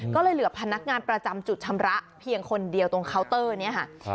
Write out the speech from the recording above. ก็เลยเหลือพนักงานประจำจุดชำระเพียงคนเดียวตรงเคาน์เตอร์นี้ค่ะ